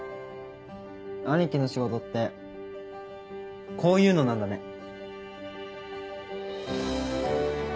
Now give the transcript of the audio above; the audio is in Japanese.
兄貴の仕事ってこういうのなんだね。